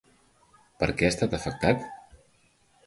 Per què ha estat afectat?